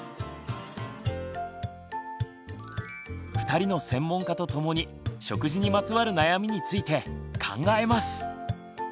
２人の専門家と共に食事にまつわる悩みについて考えます！